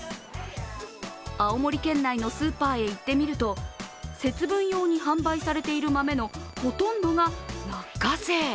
青森県内のスーパーへ行ってみると節分用に販売されている豆のほとんどが落花生。